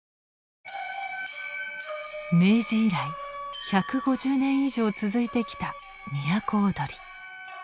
明治以来１５０年以上続いてきた都をどり。